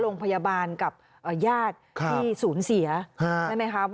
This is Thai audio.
โรงพยาบาลกับญาติที่สูญเสียใช่ไหมคะ